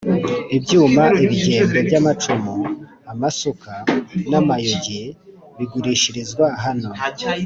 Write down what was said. ibyuma, ibigembe by’amacumu, amasuka, namayugi bigurishirizwa hano